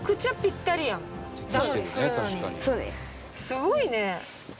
すごいね。